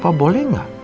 apa boleh gak